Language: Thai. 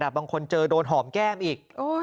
บางคนเจอโดนหอมแก้มอีก